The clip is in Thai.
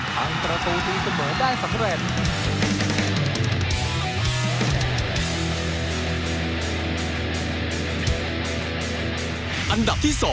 ทำประตูตีเสมอได้สำเร็จ